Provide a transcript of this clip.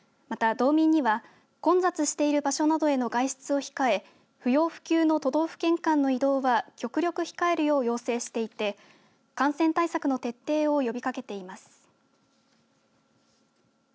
また、道民には混雑している場所などへの外出を控え不要不急の都道府県間の移動は極力控えるよう要請していて感染対策の徹底を呼びかけています。